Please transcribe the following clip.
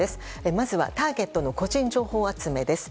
まずはターゲットの個人情報集めです。